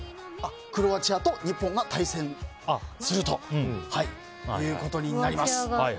クロアチアと日本が対戦することになります。